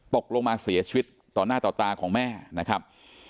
ตกลงมาเสียชีวิตต่อหน้าต่อตาของแม่นะครับ